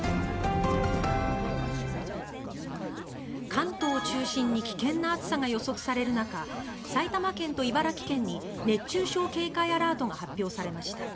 関東を中心に危険な暑さが予測される中埼玉県と茨城県に熱中症警戒アラートが発表されました。